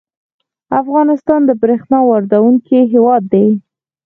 افغانستان د بریښنا واردونکی هیواد دی